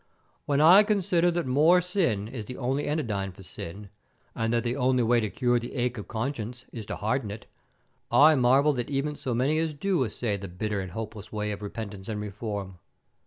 When I consider that more sin is the only anodyne for sin, and that the only way to cure the ache of conscience is to harden it, I marvel that even so many as do essay the bitter and hopeless way of repentance and reform.